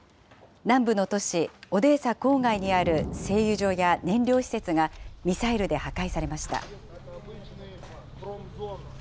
南部の都市オデーサ郊外にある製油所や燃料施設がミサイルで破壊されました。